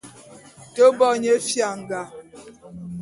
Te bo nye fianga.